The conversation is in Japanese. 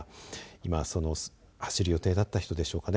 今、その走る予定だった人でしょうかね。